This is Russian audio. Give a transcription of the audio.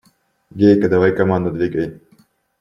Гейка, давай команду, двигай!